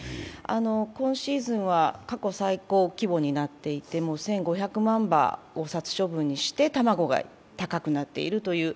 今シーズンは過去最高規模になっていて１５００万羽を殺処分して卵が高くなっているという。